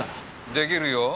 できるよぉ。